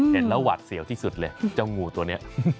เห็นแล้วหวาดเสียวที่สุดเลยเจ้างูตัวนี้